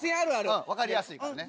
分かりやすいからね。